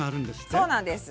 そうなんです。